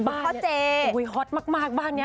คุณพ่อเจ๊โอ้โฮฮอตมากบ้านนี้